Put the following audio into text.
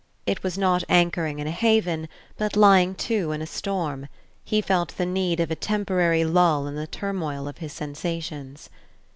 It was not anchoring in a haven, but lying to in a storm he felt the need of a temporary lull in the turmoil of his sensations.